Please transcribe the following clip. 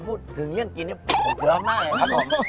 โหถึงเลี้ยงกินก็โหคราวแล้วค่ะ